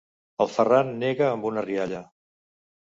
El Ferran nega amb una rialla.